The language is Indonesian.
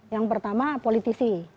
yang pertama politisi